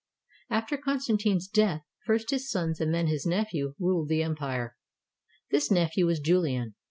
After Constantine's death, first his sons and then his nephew ruled the empire. This nephew was Julian.